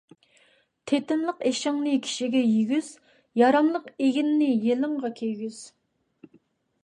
تېتىملىق ئېشىڭنى كىشىگە يېگۈز، ياراملىق ئىگىننى يېلىڭغا كىيگۈز.